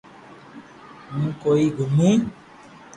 ھون ڪوئي گومو